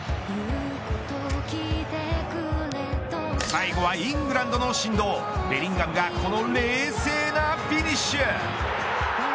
最後はイングランドの神童ベリンガムがこの冷静なフィニッシュ。